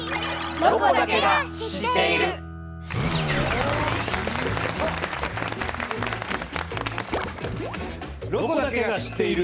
「ロコだけが知っている」。